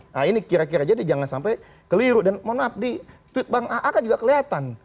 nah ini kira kira jadi jangan sampai keliru dan mohon maaf di tweet bang aa kan juga kelihatan